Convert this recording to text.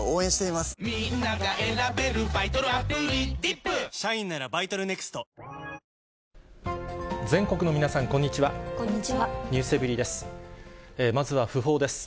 まずは訃報です。